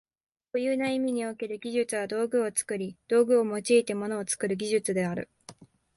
固有な意味における技術は道具を作り、道具を用いて物を作る技術である。